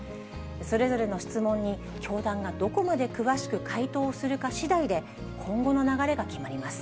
それぞれの質問に教団がどこまで詳しく回答するかしだいで、今後の流れが決まります。